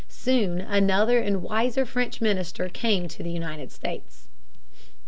Soon another and wiser French minister came to the United States.